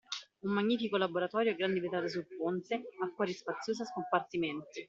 Un magnifico laboratorio a grandi vetrate sul ponte, acquari spaziosi a scompartimenti